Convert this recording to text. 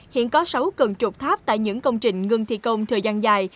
hiện có sáu cân trục tháp tại những công trình ngưng thi công thời gian dài